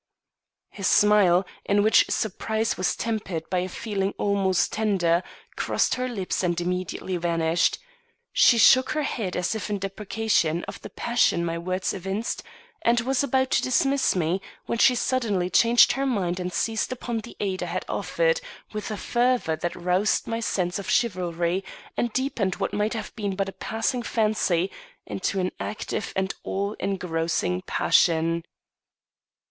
A smile, in which surprise was tempered by a feeling almost tender, crossed her lips and immediately vanished. She shook her head as if in deprecation of the passion my words evinced, and was about to dismiss me, when she suddenly changed her mind and seized upon the aid I had offered, with a fervor that roused my sense of chivalry and deepened what might have been but a passing fancy into an active and all engrossing passion.